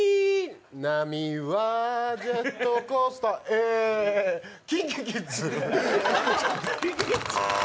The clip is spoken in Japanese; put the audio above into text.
波はジェットコースターＫｉｎＫｉＫｉｄｓ。